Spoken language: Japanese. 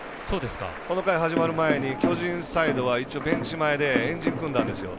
この回始まる前に巨人サイドは一応、ベンチ前で円陣、組んだんですよ。